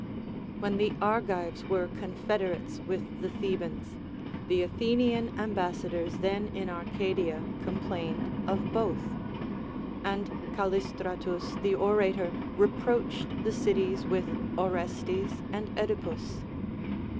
AVhen the Argives were confederates Λvith the Thebans, the Athenian ambassadors then in Arcadia complained of both, ond Callistratus the orator reproached the cities with Orestes and Oedipus.